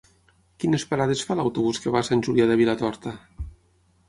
Quines parades fa l'autobús que va a Sant Julià de Vilatorta?